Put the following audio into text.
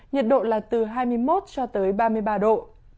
nhiệt độ là từ hai mươi một cho tới ba mươi ba độ